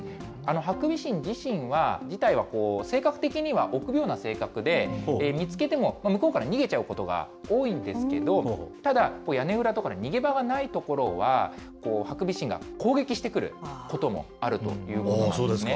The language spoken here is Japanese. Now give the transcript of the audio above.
ハクビシン自体は、性格的に臆病な性格で、見つけても向こうから逃げちゃうことが多いんですけれども、ただ、屋根裏とか逃げ場がない所は、ハクビシンが攻撃してくることもあるということなんですね。